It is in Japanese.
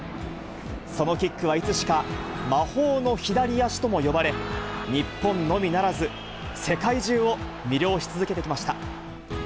そのキックはいつしか魔法の左足とも呼ばれ、日本のみならず、世界中を魅了し続けてきました。